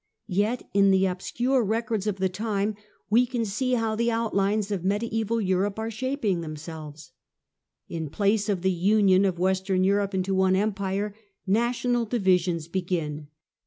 Yet in the The ninth obscure records of the time we can see how the outlines Europe of mediaeval Europe are shaping themselves. In place of the union of Western Europe into one Empire, national divisions begin.